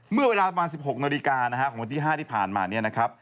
เมื่อเวลาประมาณ๑๖นของวันที่๕ที่ผ่านมา